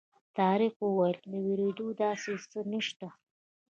طارق وویل د وېرېدلو داسې څه نه شته.